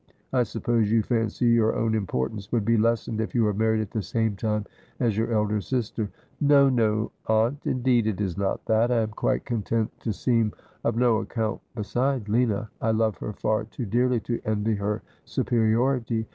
I suppose you fancy your own importance would be lessened if you were married at the same time as your elder sister ?'' No, no, Aunt ; indeed, it is not that. I am quite content to seem of no account beside Lina. I love her far too dearly to envy her superiority.